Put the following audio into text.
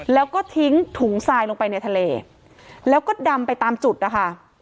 แล้วก็ทิ้งถุงทรายลงไปในทะเลแล้วก็ดำไปตามจุดนะคะ